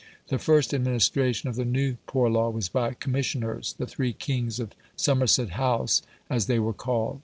The first administration of the new Poor Law was by "Commissioners" the three kings of Somerset House, as they were called.